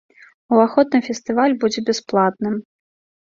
Уваход на фестываль будзе бясплатным.